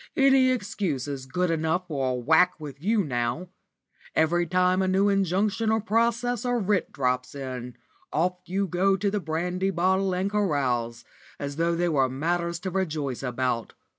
Any excuse is good enough for a whack with you now. Every time a new injunction or process or writ drops in, off you go to the brandy bottle and carouse, as though they were matters to rejoice about.